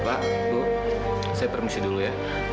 bu saya permisi dulu ya